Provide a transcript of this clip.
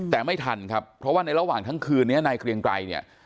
แต่ไม่ทันครับเพราะว่าในระหว่างทั้งคืนนี้นายเกรียงไกรเนี่ย